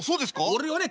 「俺はね